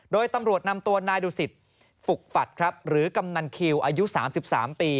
โดยตำรวจนำตัวนายดูสิตฝุกฝัดครับหรือกำนันคิวอายุ๓๓ปี